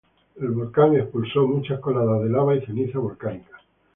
El volcán expulsó muchas coladas de lava y ceniza volcánica.